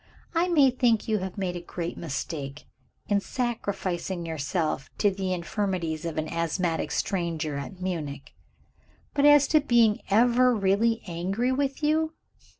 I may think you have made a great mistake, in sacrificing yourself to the infirmities of an asthmatic stranger at Munich; but as to being ever really angry with you